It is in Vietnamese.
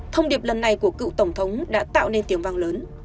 thông điệp lần này của cựu tổng thống đã tạo nên tiếng vang lớn